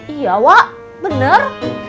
iya wak bener